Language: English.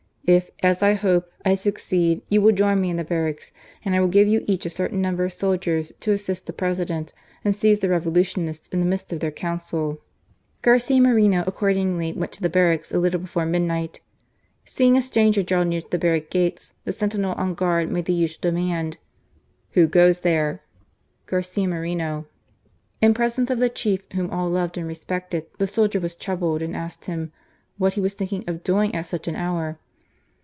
If, as I hope, I succeed, you will join me in the barracks, and I will give you each a certain number of soldiers to assist the President and seize the Revolutionists in the midst of their council," " :t,i 196 GARCiA MORENO. Garcia Moreno acrordmgly went to the baihnadk^ a l^le* before midniglit. Seelii^t a Btamgerdnvp near to the barrack gates, the sentinel on gnani, macte the usual demand, Who ' goes there? *'^i^ Garcia Moreno.'* « »i«^ In presence of the chief whom all loved *»a^ rei^eqted, the Soldier was troubled, and asked ^hiii ' what he was thinking c^ doing at sucli an hour